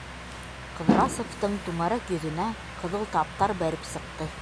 Ҡыҙрасовтың түңәрәк йөҙөнә ҡыҙыл таптар бәреп сыҡты.